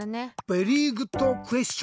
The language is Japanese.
ベリーグッドクエスチョン！